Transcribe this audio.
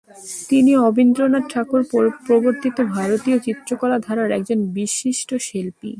তিনি অবনীন্দ্রনাথ ঠাকুর প্রবর্তিত ভারতীয় চিত্রকলা ধারার একজন বিশিষ্ট শিল্পী।